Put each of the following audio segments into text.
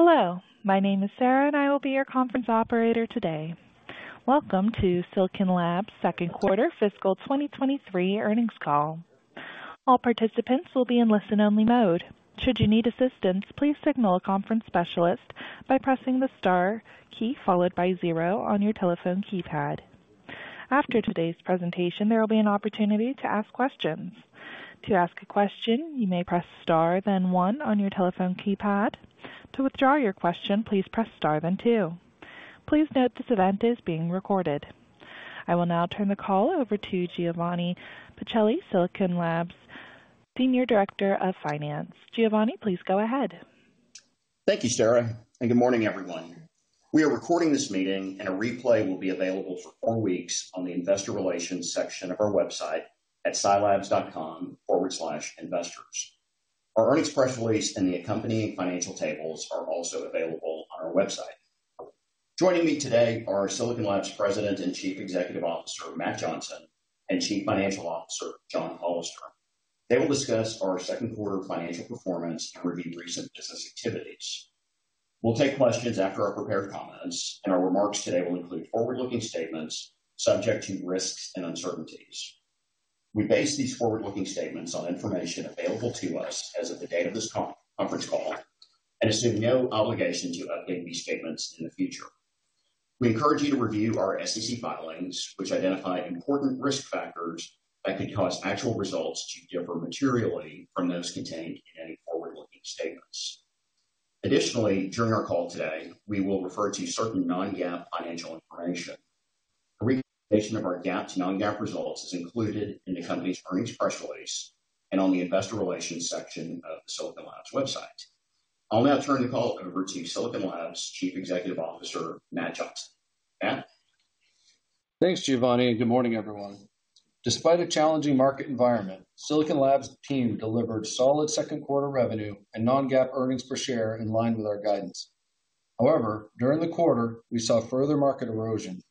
Hello, my name is Sarah. I will be your conference operator today. Welcome to Silicon Labs' second quarter fiscal 2023 earnings call. All participants will be in listen-only mode. Should you need assistance, please signal a conference specialist by pressing the star key followed by 0 on your telephone keypad. After today's presentation, there will be an opportunity to ask questions. To ask a question, you may press star then 1 on your telephone keypad. To withdraw your question, please press star then 2. Please note this event is being recorded. I will now turn the call over to Giovanni Pacelli, Silicon Labs, Senior Director of Finance. Giovanni, please go ahead. Thank you, Sarah. Good morning, everyone. We are recording this meeting, and a replay will be available for 4 weeks on the Investor Relations section of our website at silabs.com/investors. Our earnings press release and the accompanying financial tables are also available on our website. Joining me today are Silicon Labs' President and Chief Executive Officer, Matt Johnson, and Chief Financial Officer, John Hollister. They will discuss our second quarter financial performance and review recent business activities. We'll take questions after our prepared comments, and our remarks today will include forward-looking statements subject to risks and uncertainties. We base these forward-looking statements on information available to us as of the date of this conference call and assume no obligation to update these statements in the future. We encourage you to review our SEC filings, which identify important risk factors that could cause actual results to differ materially from those contained in any forward-looking statements. Additionally, during our call today, we will refer to certain non-GAAP financial information. A reconciliation of our GAAP to non-GAAP results is included in the company's earnings press release and on the Investor Relations section of the Silicon Labs website. I'll now turn the call over to Silicon Labs' Chief Executive Officer, Matt Johnson. Matt? Thanks, Giovanni. Good morning, everyone. Despite a challenging market environment, Silicon Labs' team delivered solid second quarter revenue and non-GAAP earnings per share in line with our guidance. However, during the quarter, we saw further market erosion.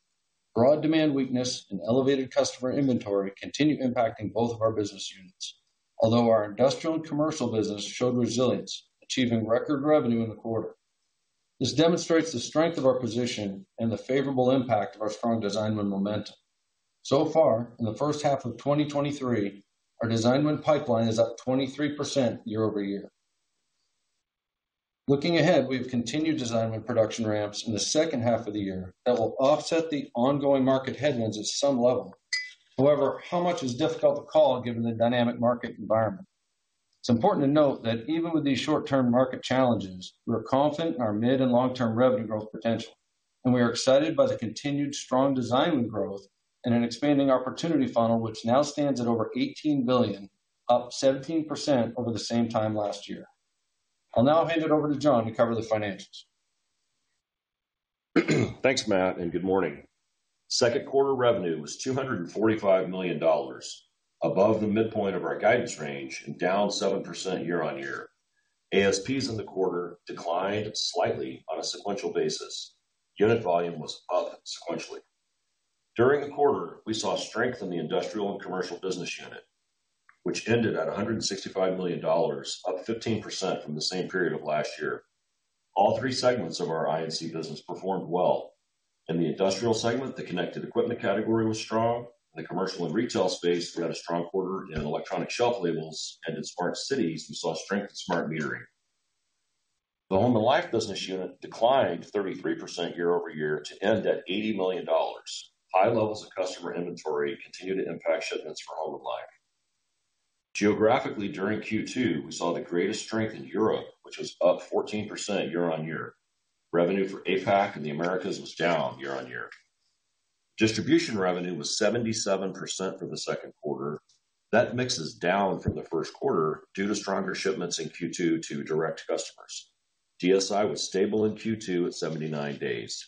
Broad demand weakness and elevated customer inventory continued impacting both of our business units. Although our industrial and commercial business showed resilience, achieving record revenue in the quarter. This demonstrates the strength of our position and the favorable impact of our strong design win momentum. Far, in the first half of 2023, our design win pipeline is up 23% year-over-year. Looking ahead, we have continued design win production ramps in the second half of the year that will offset the ongoing market headwinds at some level. However, how much is difficult to call given the dynamic market environment? It's important to note that even with these short-term market challenges, we're confident in our mid- and long-term revenue growth potential, and we are excited by the continued strong design win growth and an expanding opportunity funnel, which now stands at over $18 billion, up 17% over the same time last year. I'll now hand it over to John to cover the financials. Thanks, Matt. Good morning. Second quarter revenue was $245 million, above the midpoint of our guidance range and down 7% year-on-year. ASPs in the quarter declined slightly on a sequential basis. Unit volume was up sequentially. During the quarter, we saw strength in the industrial and commercial business unit, which ended at $165 million, up 15% from the same period of last year. All three segments of our I&C business performed well. In the industrial segment, the connected equipment category was strong. The commercial and retail space, we had a strong quarter in Electronic Shelf Labels, and in smart cities, we saw strength in smart metering. The home and life business unit declined 33% year-over-year to end at $80 million. High levels of customer inventory continued to impact shipments for home and life. Geographically, during Q2, we saw the greatest strength in Europe, which was up 14% year-over-year. Revenue for APAC and the Americas was down year-over-year. Distribution revenue was 77% for the second quarter. That mix is down from the first quarter due to stronger shipments in Q2 to direct customers. DSI was stable in Q2 at 79 days.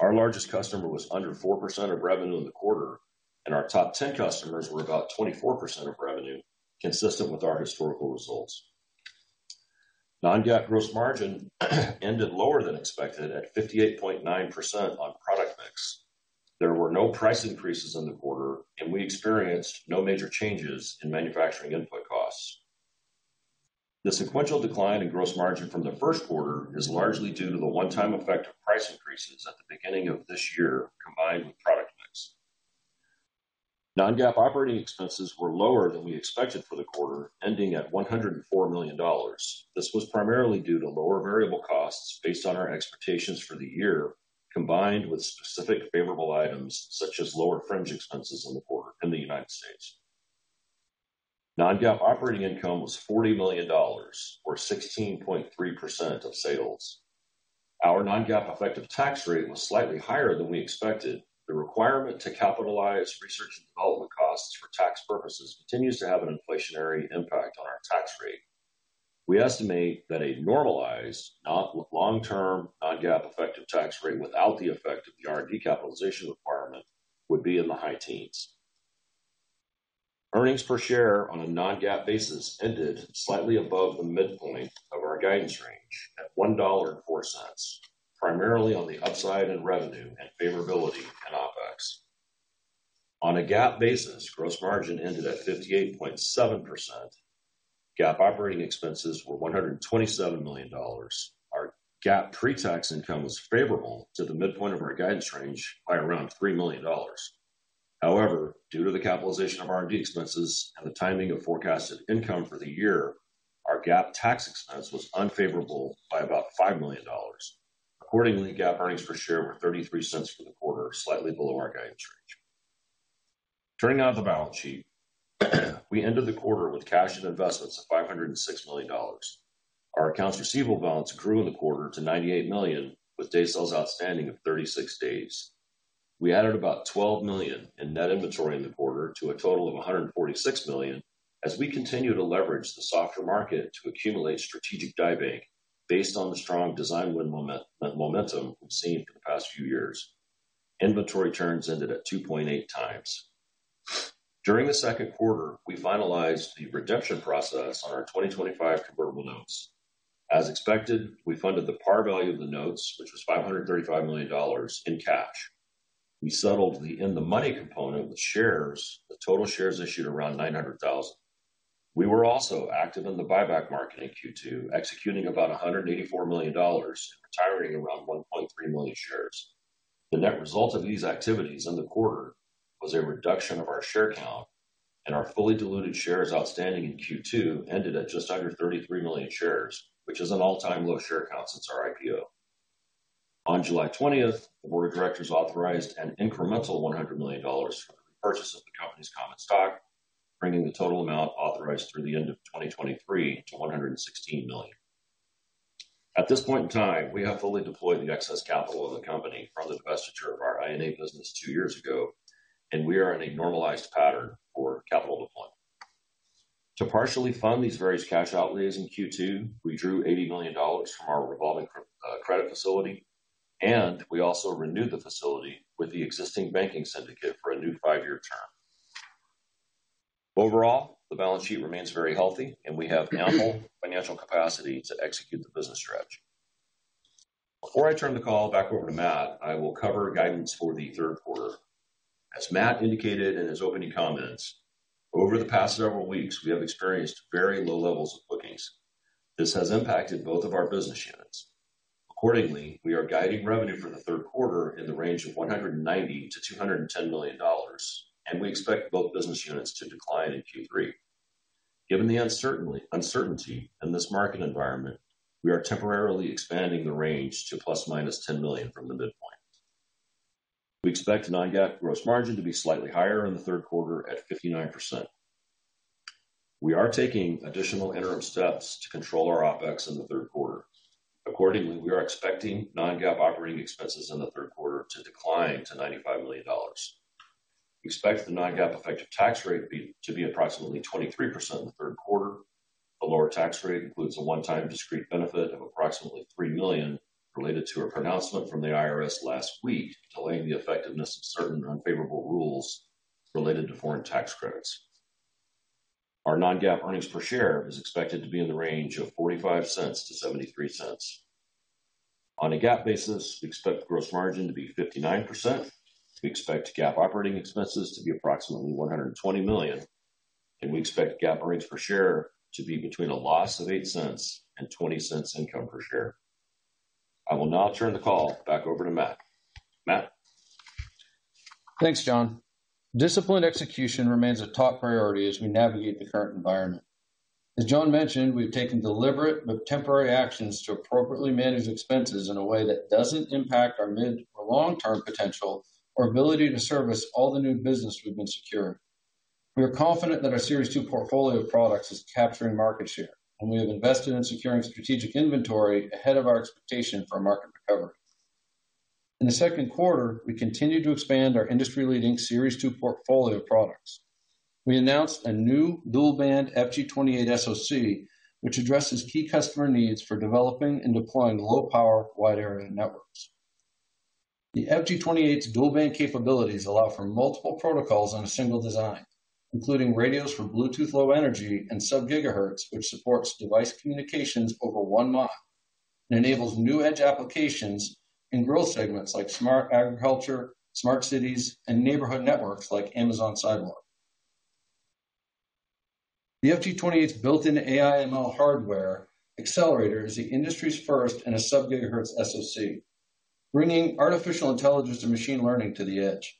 Our largest customer was under 4% of revenue in the quarter, and our top 10 customers were about 24% of revenue, consistent with our historical results. Non-GAAP gross margin ended lower than expected at 58.9% on product mix. There were no price increases in the quarter, and we experienced no major changes in manufacturing input costs. The sequential decline in gross margin from the first quarter is largely due to the one-time effect of price increases at the beginning of this year, combined with product mix. Non-GAAP operating expenses were lower than we expected for the quarter, ending at $104 million. This was primarily due to lower variable costs based on our expectations for the year, combined with specific favorable items such as lower fringe expenses in the quarter in the United States. Non-GAAP operating income was $40 million, or 16.3% of sales. Our non-GAAP effective tax rate was slightly higher than we expected. The requirement to capitalize research and development costs for tax purposes continues to have an inflationary impact on our tax rate. We estimate that a normalized, not long-term, non-GAAP effective tax rate without the effect of the R&D capitalization requirement, would be in the high teens. Earnings per share on a non-GAAP basis ended slightly above the midpoint of our guidance range at $1.04, primarily on the upside in revenue and favorability in OpEx. On a GAAP basis, gross margin ended at 58.7%. GAAP operating expenses were $127 million. Our GAAP pre-tax income was favorable to the midpoint of our guidance range by around $3 million. Due to the capitalization of R&D expenses and the timing of forecasted income for the year, our GAAP tax expense was unfavorable by about $5 million. GAAP earnings per share were $0.33 for the quarter, slightly below our guidance range. Turning now to the balance sheet. We ended the quarter with cash and investments of $506 million. Our accounts receivable balance grew in the quarter to $98 million, with day sales outstanding of 36 days. We added about $12 million in net inventory in the quarter, to a total of $146 million, as we continue to leverage the softer market to accumulate strategic die bank based on the strong design win momentum we've seen for the past few years. Inventory turns ended at 2.8 times. During the second quarter, we finalized the redemption process on our 2025 convertible notes. As expected, we funded the par value of the notes, which was $535 million in cash. We settled the in-the-money component with shares. The total shares issued around 900,000. We were also active in the buyback market in Q2, executing about $184 million, and retiring around 1.3 million shares. The net result of these activities in the quarter was a reduction of our share count and our fully diluted shares outstanding in Q2 ended at just under 33 million shares, which is an all-time low share count since our IPO. On July 20th, the board of directors authorized an incremental $100 million for the repurchase of the company's common stock, bringing the total amount authorized through the end of 2023 to $116 million. At this point in time, we have fully deployed the excess capital of the company from the divestiture of our I&A business two years ago, and we are in a normalized pattern for capital deployment. To partially fund these various cash outlays in Q2, we drew $80 million from our revolving credit facility, and we also renewed the facility with the existing banking syndicate for a new five-year term. Overall, the balance sheet remains very healthy, and we have ample financial capacity to execute the business strategy. Before I turn the call back over to Matt, I will cover guidance for the third quarter. As Matt indicated in his opening comments, over the past several weeks, we have experienced very low levels of bookings. This has impacted both of our business units. Accordingly, we are guiding revenue for the third quarter in the range of $190 million-$210 million, and we expect both business units to decline in Q3. Given the uncertainty in this market environment, we are temporarily expanding the range to ±$10 million from the midpoint. We expect non-GAAP gross margin to be slightly higher in the third quarter at 59%. We are taking additional interim steps to control our OpEx in the third quarter. Accordingly, we are expecting non-GAAP operating expenses in the third quarter to decline to $95 million. We expect the non-GAAP effective tax rate to be approximately 23% in the third quarter. The lower tax rate includes a one-time discrete benefit of approximately $3 million, related to a pronouncement from the IRS last week, delaying the effectiveness of certain unfavorable rules related to foreign tax credits. Our non-GAAP earnings per share is expected to be in the range of $0.45-$0.73. On a GAAP basis, we expect gross margin to be 59%. We expect GAAP operating expenses to be approximately $120 million. We expect GAAP earnings per share to be between a loss of $0.08 and $0.20 income per share. I will now turn the call back over to Matt. Matt? Thanks, John. Disciplined execution remains a top priority as we navigate the current environment. As John mentioned, we've taken deliberate but temporary actions to appropriately manage expenses in a way that doesn't impact our mid- or long-term potential or ability to service all the new business we've been securing. We are confident that our Series 2 portfolio of products is capturing market share, and we have invested in securing strategic inventory ahead of our expectation for a market recovery. In the second quarter, we continued to expand our industry-leading Series 2 portfolio of products. We announced a new dual-band FG28 SoC, which addresses key customer needs for developing and deploying low-power, wide-area networks. The FG28's dual-band capabilities allow for multiple protocols on a single design, including radios for Bluetooth Low Energy and Sub-GHz, which supports device communications over one mile and enables new edge applications in growth segments like smart agriculture, smart cities, and neighborhood networks like Amazon Sidewalk. The FG28's built-in AI/ML hardware accelerator is the industry's first in a Sub-GHz SoC, bringing artificial intelligence and machine learning to the edge.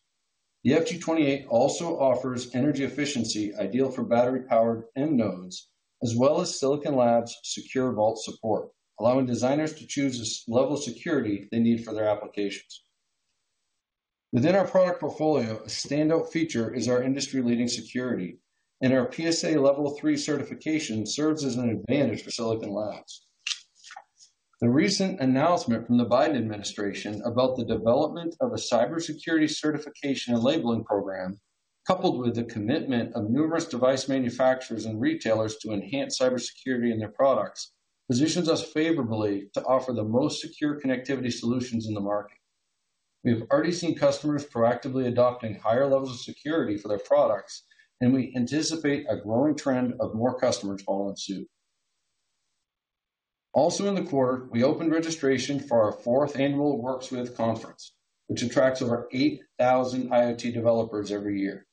The FG28 also offers energy efficiency ideal for battery-powered end nodes, as well as Silicon Labs' Secure Vault support, allowing designers to choose a level of security they need for their applications. Within our product portfolio, a standout feature is our industry-leading security, Our PSA Level 3 certification serves as an advantage for Silicon Labs. The recent announcement from the Biden administration about the development of a cybersecurity certification and labeling program, coupled with the commitment of numerous device manufacturers and retailers to enhance cybersecurity in their products, positions us favorably to offer the most secure connectivity solutions in the market. We have already seen customers proactively adopting higher levels of security for their products, and we anticipate a growing trend of more customers following suit. In the quarter, we opened registration for our fourth annual Works With Conference, which attracts over 8,000 IoT developers every year.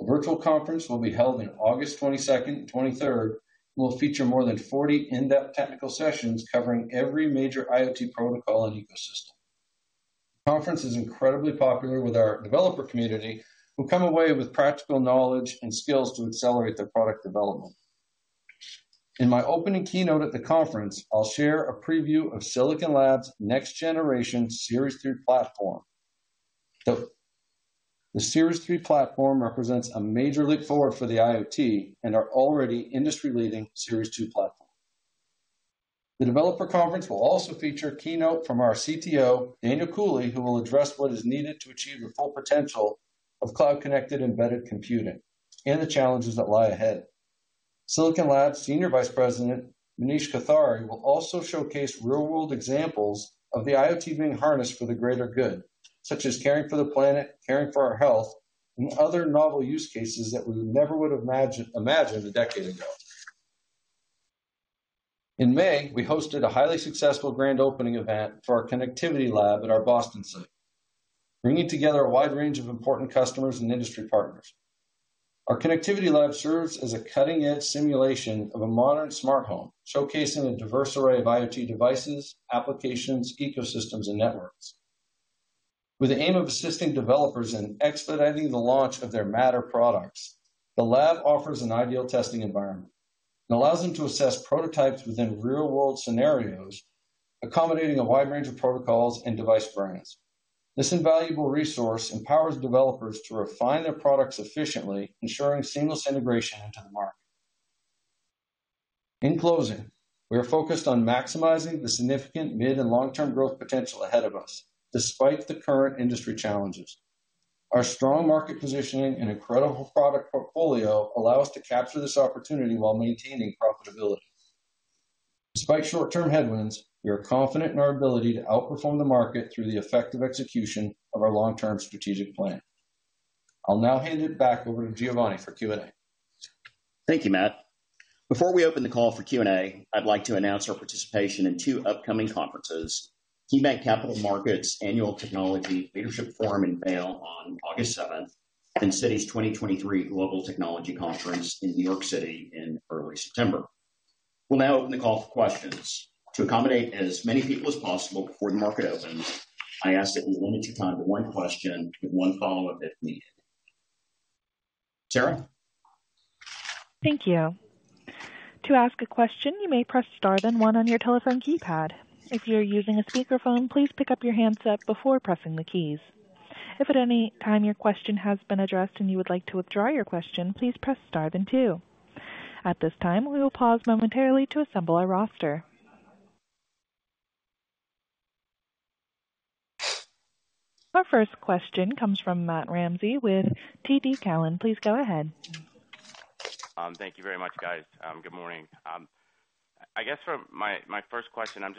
The virtual conference will be held in August 22nd and 23rd, will feature more than 40 in-depth technical sessions covering every major IoT protocol and ecosystem. The conference is incredibly popular with our developer community, who come away with practical knowledge and skills to accelerate their product development. In my opening keynote at the conference, I'll share a preview of Silicon Labs' next generation Series 3 platform. The Series 3 platform represents a major leap forward for the IoT and our already industry-leading Series 2 platform. The developer conference will also feature a keynote from our CTO, Daniel Cooley, who will address what is needed to achieve the full potential of cloud-connected embedded computing and the challenges that lie ahead. Silicon Labs Senior Vice President, Manish Kothari, will also showcase real-world examples of the IoT being harnessed for the greater good, such as caring for the planet, caring for our health, and other novel use cases that we never would have imagined a decade ago. In May, we hosted a highly successful grand opening event for our connectivity lab at our Boston site, bringing together a wide range of important customers and industry partners. Our connectivity lab serves as a cutting-edge simulation of a modern smart home, showcasing a diverse array of IoT devices, applications, ecosystems, and networks. With the aim of assisting developers in expediting the launch of their Matter products, the lab offers an ideal testing environment and allows them to assess prototypes within real-world scenarios, accommodating a wide range of protocols and device brands. This invaluable resource empowers developers to refine their products efficiently, ensuring seamless integration into the market. In closing, we are focused on maximizing the significant mid- and long-term growth potential ahead of us, despite the current industry challenges. Our strong market positioning and incredible product portfolio allow us to capture this opportunity while maintaining profitability. Despite short-term headwinds, we are confident in our ability to outperform the market through the effective execution of our long-term strategic plan. I'll now hand it back over to Giovanni for Q&A. Thank you, Matt. Before we open the call for Q&A, I'd like to announce our participation in two upcoming conferences: KeyBanc Capital Markets Annual Technology Leadership Forum in Vail on August 7th, and Citi's 2023 Global Technology Conference in New York City in early September. We'll now open the call for questions. To accommodate as many people as possible before the market opens, I ask that you limit your time to 1 question and 1 follow-up, if needed. Sarah? Thank you. To ask a question, you may press star, then one on your telephone keypad. If you're using a speakerphone, please pick up your handset before pressing the keys. If at any time your question has been addressed and you would like to withdraw your question, please press star and two. At this time, we will pause momentarily to assemble our roster. Our first question comes from Matt Ramsay with TD Cowen. Please go ahead. Thank you very much, guys. Good morning. I guess for my first question, I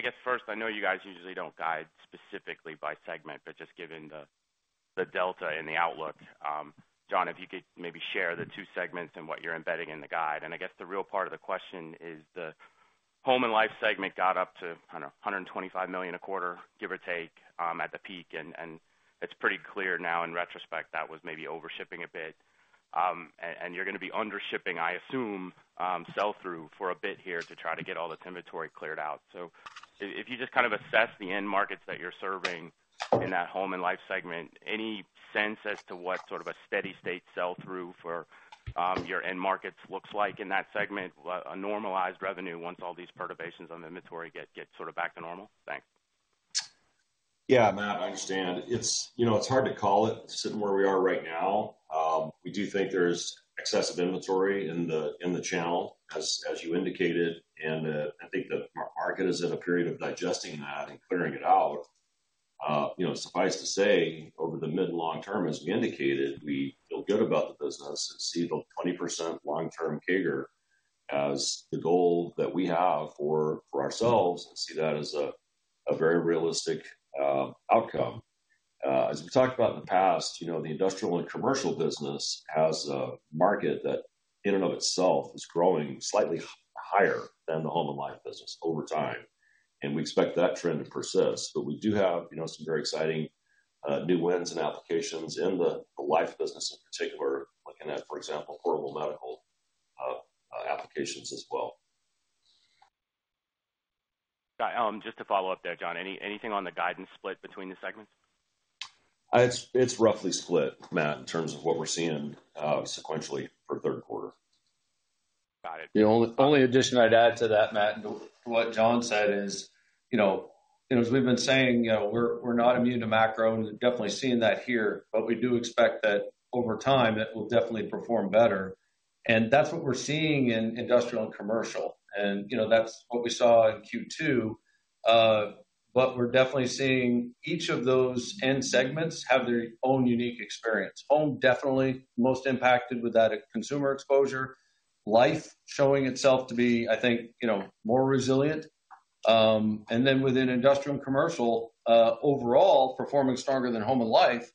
guess first, I know you guys usually don't guide specifically by segment, but just given the delta in the outlook, John, if you could maybe share the two segments and what you're embedding in the guide. I guess the real part of the question is the home and life segment got up to, I don't know, $125 million a quarter, give or take, at the peak, and it's pretty clear now in retrospect, that was maybe over shipping a bit. You're gonna be under shipping, I assume, sell-through for a bit here to try to get all this inventory cleared out. If you just kind of assess the end markets that you're serving in that home and life segment, any sense as to what sort of a steady state sell-through for your end markets looks like in that segment, a normalized revenue once all these perturbations on the inventory get sort of back to normal? Thanks. Yeah, Matt, I understand. It's, you know, it's hard to call it sitting where we are right now. We do think there's excessive inventory in the, in the channel, as you indicated, and, I think the market is in a period of digesting that and clearing it out. You know, suffice to say, over the mid and long term, as we indicated, we feel good about the business and see the 20% long-term CAGR as the goal that we have for ourselves, and see that as a very realistic outcome. As we talked about in the past, you know, the industrial and commercial business has a market that in and of itself is growing slightly higher than the home and life business over time, and we expect that trend to persist. We do have, you know, some very exciting new wins and applications in the life business in particular, looking at, for example, wearable medical applications as well. Got Just to follow up there, John, anything on the guidance split between the segments? It's roughly split, Matt, in terms of what we're seeing, sequentially for third quarter. Got it. The only addition I'd add to that, Matt, to what John said is, you know, as we've been saying, you know, we're not immune to macro and definitely seeing that here, but we do expect that over time, it will definitely perform better. That's what we're seeing in industrial and commercial, and, you know, that's what we saw in Q2. We're definitely seeing each of those end segments have their own unique experience. Home, definitely most impacted with that consumer exposure. Life, showing itself to be, I think, you know, more resilient. Then within industrial and commercial, overall, performing stronger than Home and Life,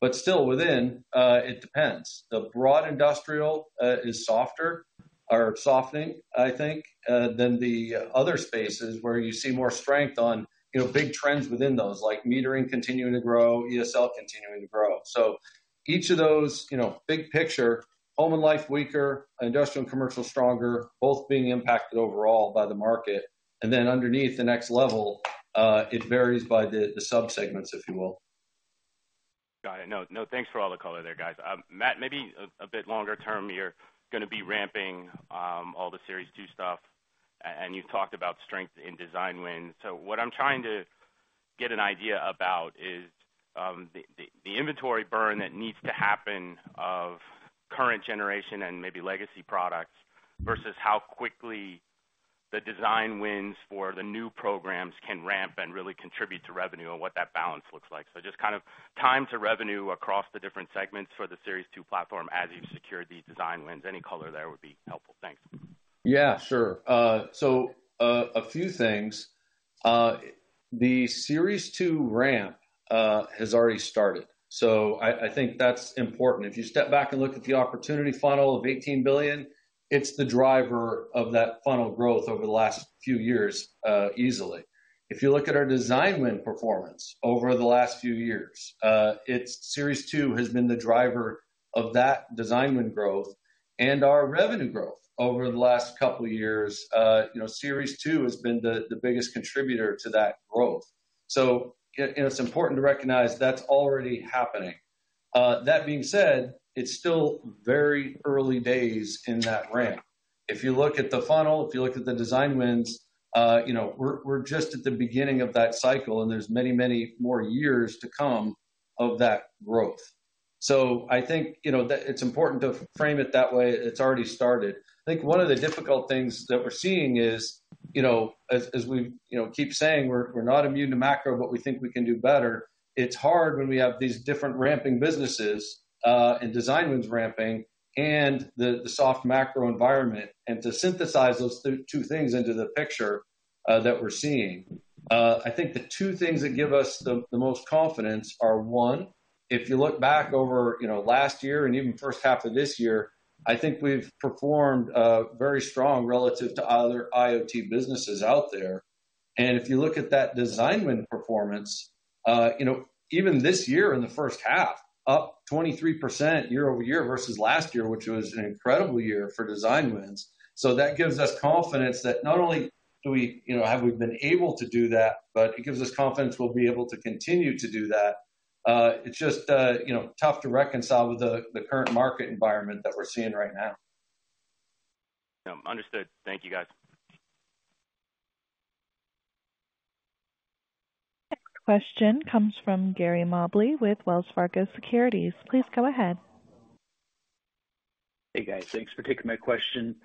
but still within, it depends. The broad industrial is softer or softening, I think, than the other spaces where you see more strength on, you know, big trends within those, like metering continuing to grow, ESL continuing to grow. Each of those, you know, big picture, home and life weaker, industrial and commercial stronger, both being impacted overall by the market. Underneath the next level, it varies by the subsegments, if you will. Got it. No, no, thanks for all the color there, guys. Matt, maybe a bit longer term, you're gonna be ramping, all the Series 2 stuff, and you've talked about strength in design wins. What I'm trying to get an idea about is the inventory burn that needs to happen of current generation and maybe legacy products versus how quickly the design wins for the new programs can ramp and really contribute to revenue and what that balance looks like. Just kind of time to revenue across the different segments for the Series 2 platform as you've secured these design wins. Any color there would be helpful. Thanks. Yeah, sure. A few things. The Series 2 ramp has already started, I think that's important. If you step back and look at the opportunity funnel of $18 billion, it's the driver of that funnel growth over the last few years, easily. If you look at our design win performance over the last few years, it's Series 2 has been the driver of that design win growth and our revenue growth over the last couple of years. You know, Series 2 has been the biggest contributor to that growth. And it's important to recognize that's already happening. That being said, it's still very early days in that ramp. If you look at the funnel, if you look at the design wins, you know, we're just at the beginning of that cycle, and there's many, many more years to come of that growth. I think, you know, that it's important to frame it that way, it's already started. I think one of the difficult things that we're seeing is, you know, as we, you know, keep saying, we're not immune to macro, but we think we can do better. It's hard when we have these different ramping businesses, and design wins ramping and the soft macro environment, and to synthesize those two things into the picture, that we're seeing. I think the two things that give us the most confidence are, one, if you look back over last year and even first half of this year, I think we've performed very strong relative to other IoT businesses out there. If you look at that design win performance, even this year in the first half, up 23% year-over-year versus last year, which was an incredible year for design wins. That gives us confidence that not only do we have we been able to do that, but it gives us confidence we'll be able to continue to do that. It's just tough to reconcile with the current market environment that we're seeing right now. understood. Thank you, guys. Next question comes from Gary Mobley with Wells Fargo Securities. Please go ahead. Hey, guys. Thanks for taking my question.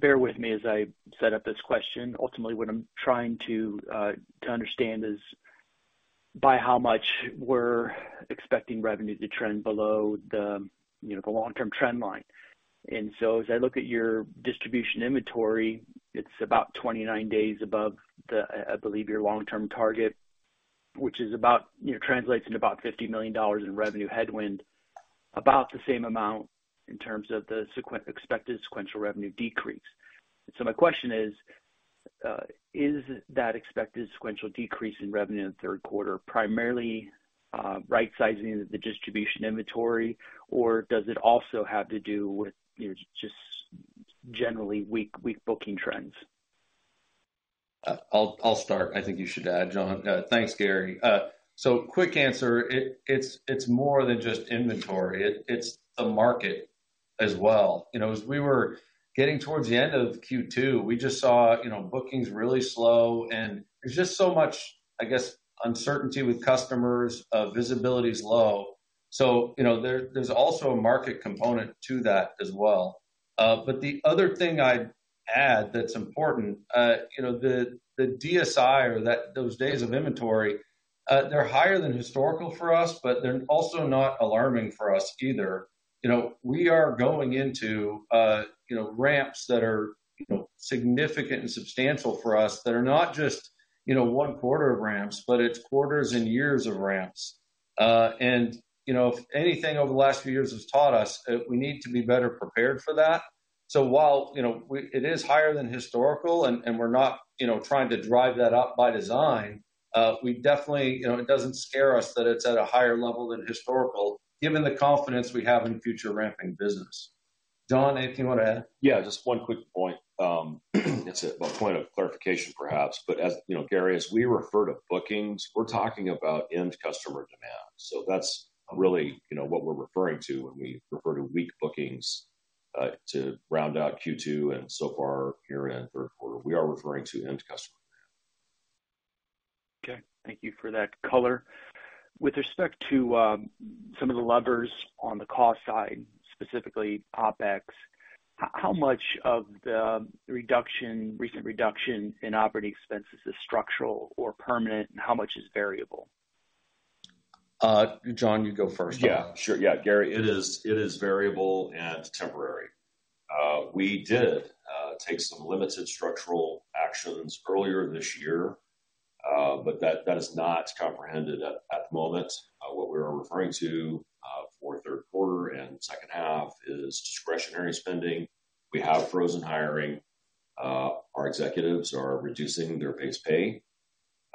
Bear with me as I set up this question. Ultimately, what I'm trying to understand is by how much we're expecting revenue to trend below the, you know, the long-term trend line. As I look at your distribution inventory, it's about 29 days above the, I believe, your long-term target, which is about, you know, translates into about $50 million in revenue headwind, about the same amount in terms of the expected sequential revenue decrease. My question is that expected sequential decrease in revenue in the third quarter, primarily, right-sizing the distribution inventory, or does it also have to do with, you know, just generally weak booking trends? I'll start. I think you should add, John. Thanks, Gary. Quick answer, it's more than just inventory. It's the market as well. You know, as we were getting towards the end of Q2, we just saw, you know, bookings really slow, and there's just so much, I guess, uncertainty with customers, visibility is low. You know, there's also a market component to that as well. The other thing I'd add that's important, you know, the DSI or those days of inventory, they're higher than historical for us, but they're also not alarming for us either. You know, we are going into, you know, ramps that are, you know, significant and substantial for us, that are not just, you know, one quarter of ramps, but it's quarters and years of ramps. You know, if anything over the last few years has taught us, we need to be better prepared for that. While, you know, it is higher than historical and we're not, you know, trying to drive that up by design, we definitely, you know, it doesn't scare us that it's at a higher level than historical, given the confidence we have in future ramping business. John, anything you want to add? Just one quick point. It's a point of clarification, perhaps, but as you know, Gary, as we refer to bookings, we're talking about end customer demand. That's really, you know, what we're referring to when we refer to weak bookings to round out Q2 and so far year-end, or we are referring to end customer. Okay, thank you for that color. With respect to, some of the levers on the cost side, specifically OpEx, how much of the reduction, recent reduction in operating expenses is structural or permanent, and how much is variable?... John, you go first. Yeah, sure. Yeah, Gary, it is variable and temporary. We did take some limited structural actions earlier this year, but that is not comprehended at the moment. What we are referring to for third quarter and second half is discretionary spending. We have frozen hiring. Our executives are reducing their base pay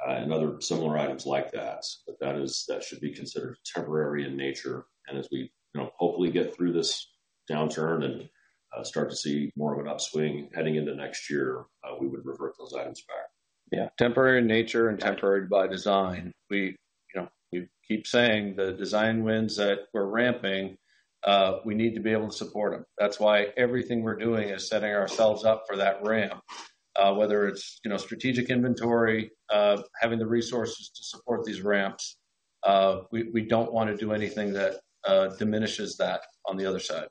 and other similar items like that, but that should be considered temporary in nature. As we, you know, hopefully get through this downturn and start to see more of an upswing heading into next year, we would revert those items back. Yeah, temporary in nature and temporary by design. We, you know, we keep saying the design wins that we're ramping, we need to be able to support them. That's why everything we're doing is setting ourselves up for that ramp. Whether it's, you know, strategic inventory, having the resources to support these ramps, we don't want to do anything that diminishes that on the other side.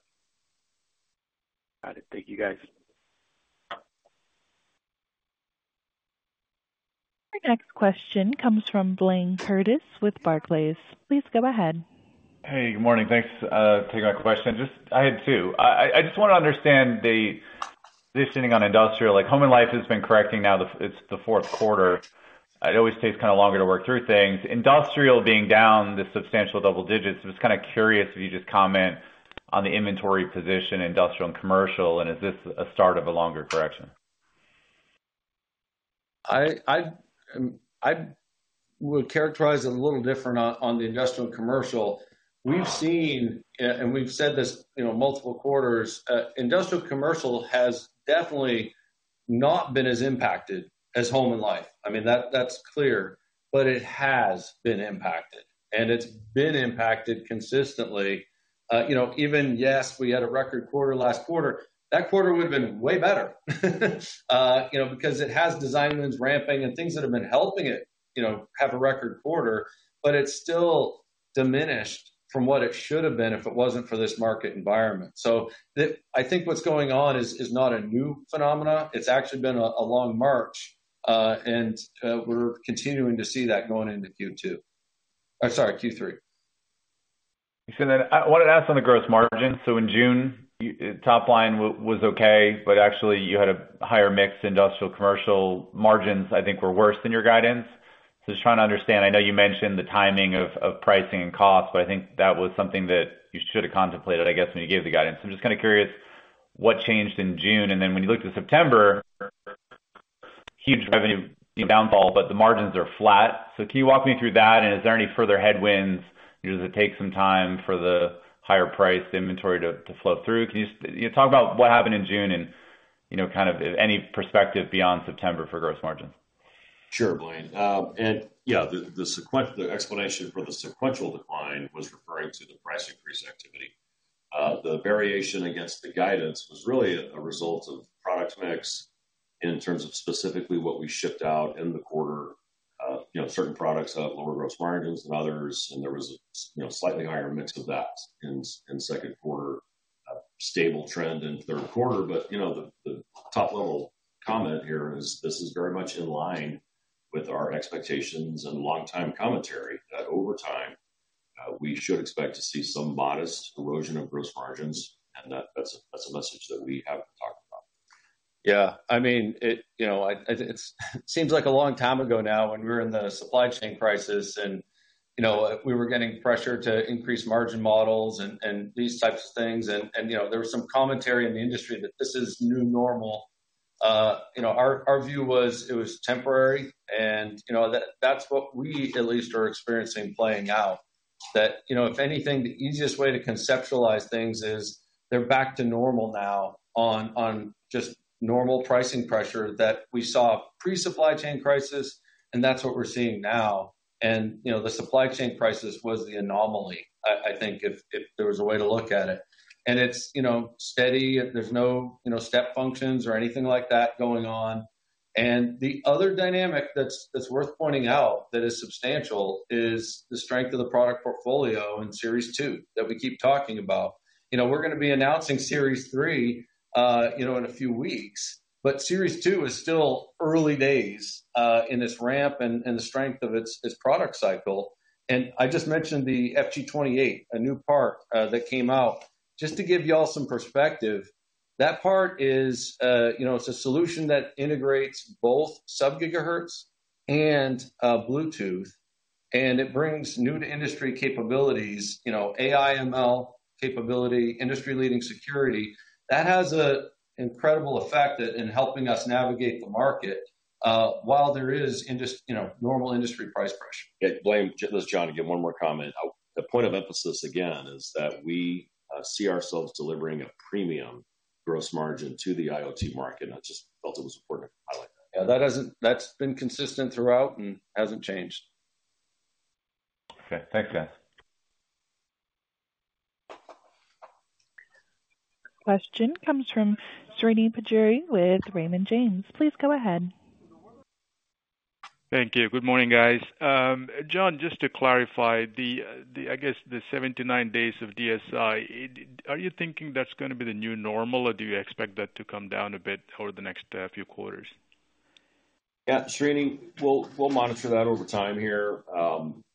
Got it. Thank you, guys. Our next question comes from Blayne Curtis with Barclays. Please go ahead. Hey, good morning. Thanks for taking my question. I had two. I just want to understand the positioning on industrial. Like, home and life has been correcting now, it's the fourth quarter. It always takes kind of longer to work through things. Industrial being down the substantial double digits, I was kind of curious if you just comment on the inventory position in industrial and commercial, and is this a start of a longer correction? I would characterize it a little different on the industrial and commercial. We've seen, and we've said this, you know, multiple quarters, industrial commercial has definitely not been as impacted as home and life. I mean, that's clear, but it has been impacted, and it's been impacted consistently. You know, even, yes, we had a record quarter last quarter, that quarter would have been way better, you know, because it has design wins ramping and things that have been helping it, you know, have a record quarter, but it's still diminished from what it should have been if it wasn't for this market environment. I think what's going on is not a new phenomena. It's actually been a long march, and we're continuing to see that going into Q2. Sorry, Q3. I wanted to ask on the gross margin. In June, you top line was okay, but actually you had a higher mixed industrial commercial margins, I think, were worse than your guidance. Just trying to understand, I know you mentioned the timing of pricing and cost, but I think that was something that you should have contemplated, I guess, when you gave the guidance. I'm just kind of curious, what changed in June? When you looked at September, huge revenue downfall, but the margins are flat. Can you walk me through that, and is there any further headwinds? Does it take some time for the higher priced inventory to flow through? Can you just, you know, talk about what happened in June and, you know, kind of any perspective beyond September for gross margins? Sure, Blayne. Yeah, the explanation for the sequential decline was referring to the price increase activity. The variation against the guidance was really a result of product mix in terms of specifically what we shipped out in the quarter. You know, certain products have lower gross margins than others, and there was a, you know, slightly higher mix of that in second quarter, a stable trend in third quarter. But, you know, the top-level comment here is this is very much in line with our expectations and long-time commentary, that over time, we should expect to see some modest erosion of gross margins, and that's a message that we have talked about. Yeah, I mean, it, you know, I, seems like a long time ago now when we were in the supply chain crisis and these types of things. You know, there was some commentary in the industry that this is new normal. You know, our view was it was temporary, and, you know, that's what we at least are experiencing playing out. You know, if anything, the easiest way to conceptualize things is they're back to normal now on just normal pricing pressure that we saw pre-supply chain crisis, and that's what we're seeing now. You know, the supply chain crisis was the anomaly, I think, if there was a way to look at it. It's, you know, steady. There's no, you know, step functions or anything like that going on. The other dynamic that's worth pointing out, that is substantial, is the strength of the product portfolio in Series 2 that we keep talking about. You know, we're going to be announcing Series 3, you know, in a few weeks, but Series 2 is still early days in this ramp and the strength of its product cycle. I just mentioned the FG28, a new part that came out. Just to give you all some perspective, that part is, you know, it's a solution that integrates both Sub-GHz and Bluetooth, and it brings new to industry capabilities, you know, AI/ML capability, industry-leading security. That has a incredible effect in helping us navigate the market, while there is you know, normal industry price pressure. Blayne, just John, again, one more comment. The point of emphasis, again, is that we see ourselves delivering a premium gross margin to the IoT market. That's just ultimately important to highlight. Yeah, that's been consistent throughout and hasn't changed. Okay, thanks, guys. Question comes from Srini Pajjuri with Raymond James. Please go ahead. Thank you. Good morning, guys. John, just to clarify the, I guess, the 79 days of DSI, are you thinking that's going to be the new normal, or do you expect that to come down a bit over the next few quarters? Yeah, Srini, we'll monitor that over time here.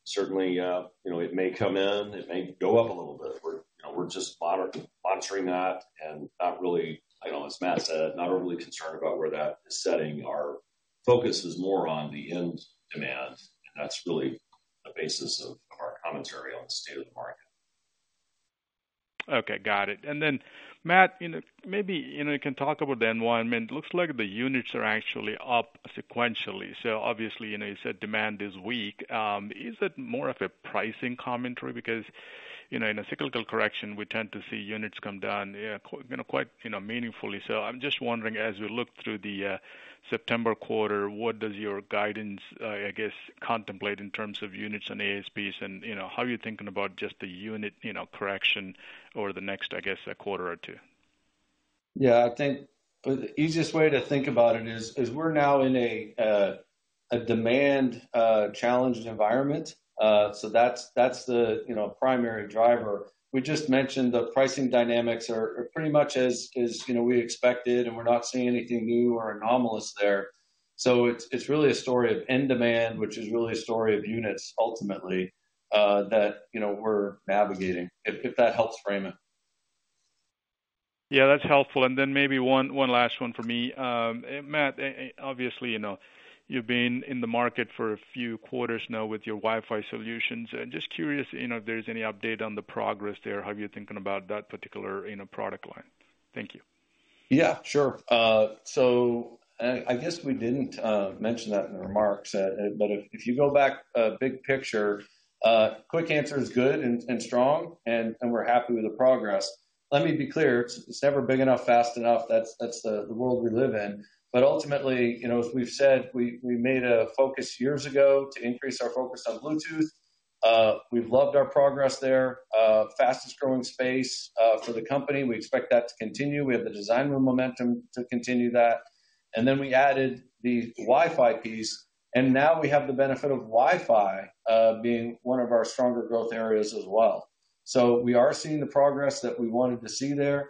certainly, you know, it may come in, it may go up a little bit. We're, you know, we're just monitoring that and not really, you know, as Matt said, not overly concerned about where that is setting. Our focus is more on the end demand, and that's really the basis of our commentary on the state of the market. Okay, got it. Matt, you know, maybe, you know, you can talk about the environment. It looks like the units are actually up sequentially. Obviously, you know, you said demand is weak. Is it more of a pricing commentary? Because, you know, in a cyclical correction, we tend to see units come down, you know, quite, you know, meaningfully. I'm just wondering, as we look through the September quarter, what does your guidance, I guess, contemplate in terms of units and ASPs and, you know, how are you thinking about just the unit, you know, correction over the next, I guess, quarter or two? Yeah, I think the easiest way to think about it is we're now in a demand-challenged environment. That's the, you know, primary driver. We just mentioned the pricing dynamics are pretty much as, you know, we expected, and we're not seeing anything new or anomalous there. It's really a story of end demand, which is really a story of units ultimately, that, you know, we're navigating, if that helps frame it. Yeah, that's helpful. Then maybe one last one for me. Matt, obviously, you know, you've been in the market for a few quarters now with your Wi-Fi solutions. Just curious, you know, if there's any update on the progress there. How are you thinking about that particular, you know, product line? Thank you. Yeah, sure. I guess we didn't mention that in the remarks, but if you go back, big picture, quick answer is good and strong, and we're happy with the progress. Let me be clear, it's never big enough, fast enough. That's the world we live in. Ultimately, you know, as we've said, we made a focus years ago to increase our focus on Bluetooth. We've loved our progress there. Fastest growing space for the company. We expect that to continue. We have the design win momentum to continue that. We added the Wi-Fi piece, now we have the benefit of Wi-Fi being one of our stronger growth areas as well. We are seeing the progress that we wanted to see there.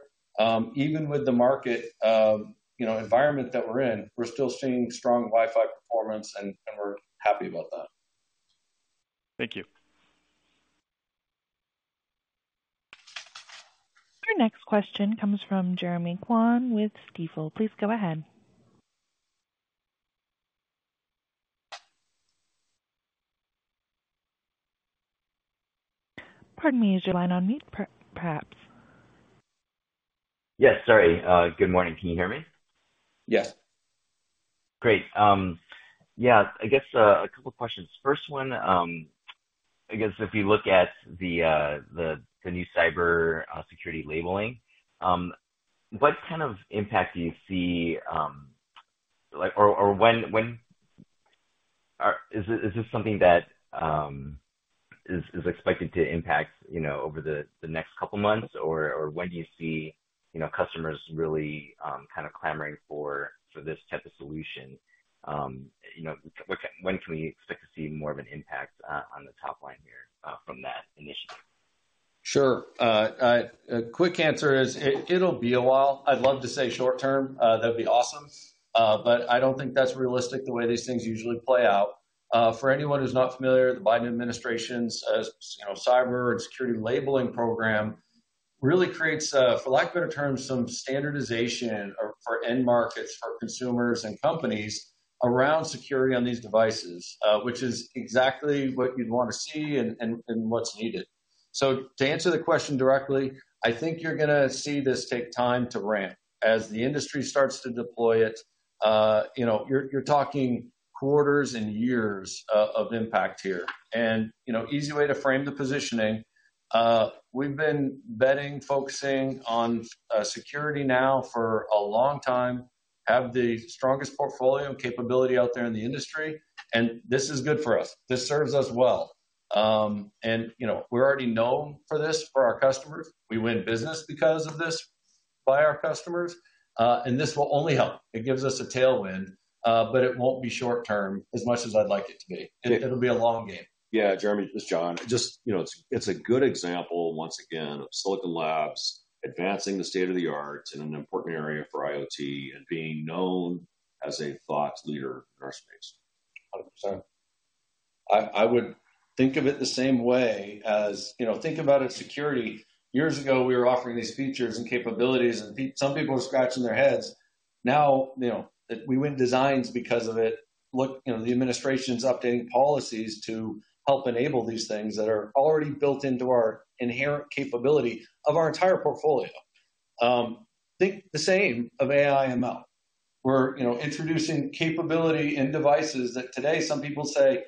Even with the market, you know, environment that we're in, we're still seeing strong Wi-Fi performance, and we're happy about that. Thank you. Your next question comes from Jeremy Kwan with Stifel. Please go ahead. Pardon me, is your line on mute, perhaps? Yes, sorry. Good morning. Can you hear me? Yes. Great. Yeah, I guess a couple questions. First one, I guess if you look at the new cyber security labeling, what kind of impact do you see, like, or when, or is this something that is expected to impact, you know, over the next couple months? Or when do you see, you know, customers really kind of clamoring for this type of solution? You know, when can we expect to see more of an impact on the top line here from that initiative? Sure. A quick answer is it'll be a while. I'd love to say short term, that'd be awesome. I don't think that's realistic the way these things usually play out. For anyone who's not familiar, the Biden administration's, as you know, cyber and security labeling program really creates, for lack of a better term, some standardization or for end markets, for consumers and companies around security on these devices, which is exactly what you'd want to see and what's needed. To answer the question directly, I think you're gonna see this take time to ramp. As the industry starts to deploy it, you know, you're talking quarters and years of impact here. You know, easy way to frame the positioning, we've been betting, focusing on, security now for a long time, have the strongest portfolio and capability out there in the industry, and this is good for us. This serves us well. You know, we're already known for this for our customers. We win business because of this by our customers, and this will only help. It gives us a tailwind, but it won't be short term as much as I'd like it to be. It'll be a long game. Yeah, Jeremy, this is John. Just, you know, it's a good example, once again, of Silicon Labs advancing the state-of-the-art in an important area for IoT and being known as a thought leader in our space. 100%. I would think of it the same way as, you know, think about it security. Years ago, we were offering these features and capabilities, and some people were scratching their heads. Now, you know, we win designs because of it. Look, you know, the administration's updating policies to help enable these things that are already built into our inherent capability of our entire portfolio. Think the same of AI/ML. We're, you know, introducing capability in devices that today some people say,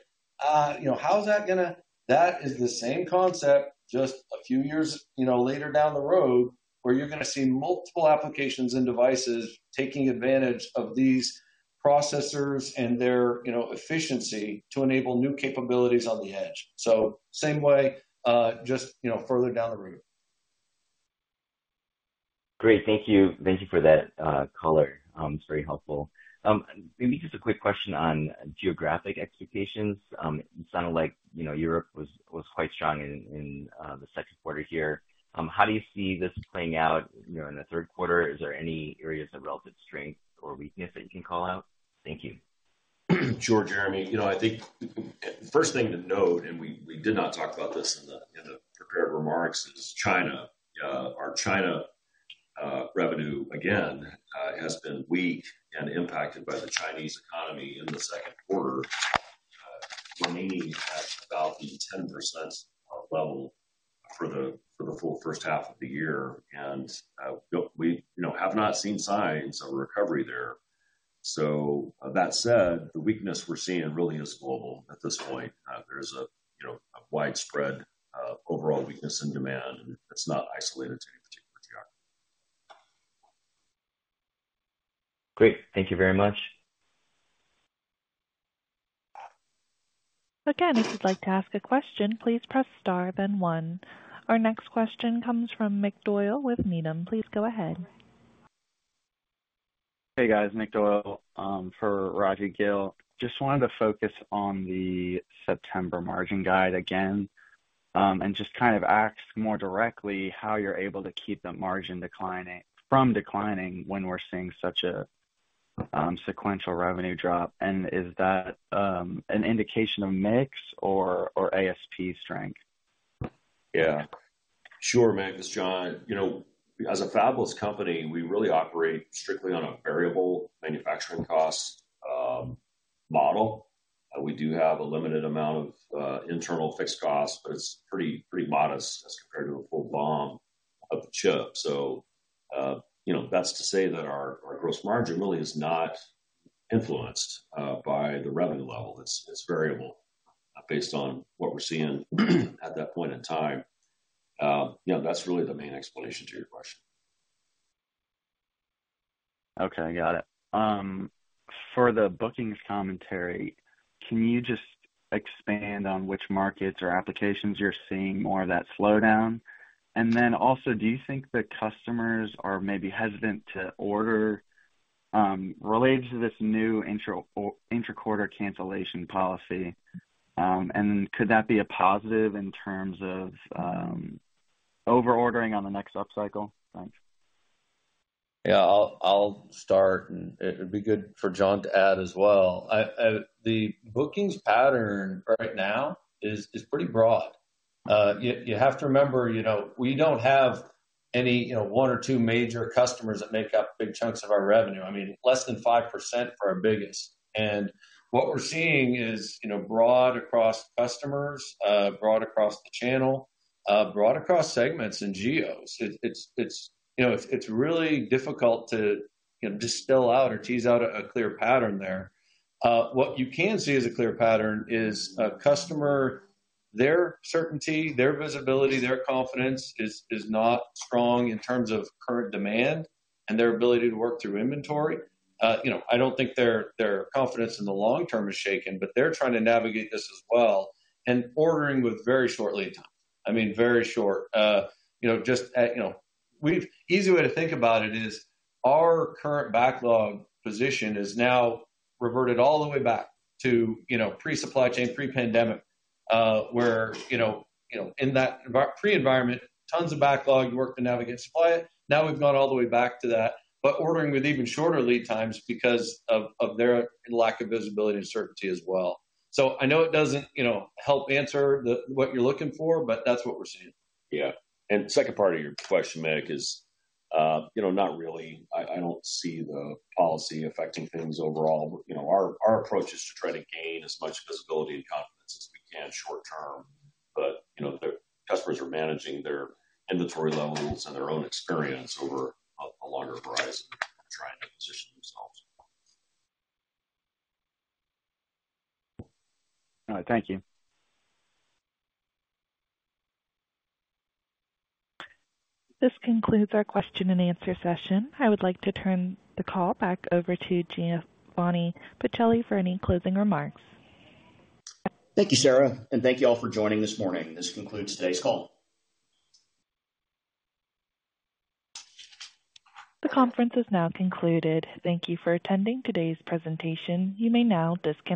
"you know, how is that gonna?" That is the same concept, just a few years, you know, later down the road, where you're gonna see multiple applications and devices taking advantage of these processors and their, you know, efficiency to enable new capabilities on the edge. Same way, just, you know, further down the road. Great. Thank you. Thank you for that color. It's very helpful. Maybe just a quick question on geographic expectations. It sounded like, you know, Europe was quite strong in the second quarter here. How do you see this playing out, you know, in the third quarter? Is there any areas of relative strength or weakness that you can call out? Thank you. Sure, Jeremy. You know, I think the first thing to note, and we did not talk about this in the prepared remarks, is China. Our China revenue again has been weak and impacted by the Chinese economy in the second quarter, remaining at about the 10% level for the full first half of the year. We, you know, have not seen signs of recovery there. That said, the weakness we're seeing really is global at this point. There's a, you know, widespread overall weakness in demand, and it's not isolated to any particular geography. Great. Thank you very much. If you'd like to ask a question, please press Star, then one. Our next question comes from Nick Doyle with Needham. Please go ahead. Hey, guys, Nick Doyle, for Rajvindra Gill. Just wanted to focus on the September margin guide again, and just kind of ask more directly how you're able to keep the margin from declining when we're seeing such a sequential revenue drop. Is that an indication of mix or ASP strength? Yeah. Sure, Nick, it's John. You know, as a fabless company, we really operate strictly on a variable manufacturing cost model. We do have a limited amount of internal fixed costs, but it's pretty modest as compared to a full BOM of the chip. That's to say that our gross margin really is not influenced by the revenue level. It's variable based on what we're seeing, at that point in time. That's really the main explanation to your question. Okay, got it. For the bookings commentary, can you just expand on which markets or applications you're seeing more of that slowdown? Do you think that customers are maybe hesitant to order related to this new interquarter cancellation policy? Could that be a positive in terms of over-ordering on the next upcycle? Thanks. Yeah, I'll start, and it would be good for John to add as well. I, the bookings pattern right now is pretty broad. You have to remember, you know, we don't have any, you know, one or two major customers that make up big chunks of our revenue. I mean, less than 5% for our biggest. What we're seeing is, you know, broad across customers, broad across the channel, broad across segments and geos. It's, you know, it's really difficult to, you know, distill out or tease out a clear pattern there. What you can see as a clear pattern is a customer, their certainty, their visibility, their confidence is not strong in terms of current demand and their ability to work through inventory. You know, I don't think their confidence in the long term is shaken, but they're trying to navigate this as well, and ordering with very short lead time. I mean, very short. You know, easy way to think about it is our current backlog position is now reverted all the way back to, you know, pre-supply chain, pre-pandemic, where in that pre-environment, tons of backlog work to navigate supply. Now, we've gone all the way back to that, but ordering with even shorter lead times because of their lack of visibility and certainty as well. I know it doesn't, you know, help answer the, what you're looking for, but that's what we're seeing. Yeah. Second part of your question, Nick, is, you know, not really. I don't see the policy affecting things overall. You know, our approach is to try to gain as much visibility and confidence as we can short term, but, you know, the customers are managing their inventory levels and their own experience over a longer horizon, trying to position themselves. All right. Thank you. This concludes our question and answer session. I would like to turn the call back over to Giovanni Pacelli for any closing remarks. Thank you, Sarah, and thank you all for joining this morning. This concludes today's call. The conference is now concluded. Thank you for attending today's presentation. You may now disconnect.